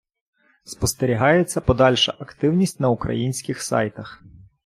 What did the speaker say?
спостерігається подальша активність на українських сайтах